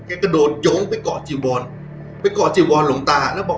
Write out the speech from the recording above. แกกระโดดโยงไปเกาะจิวอลไปเกาะจิวอลลูกตาแล้วบอก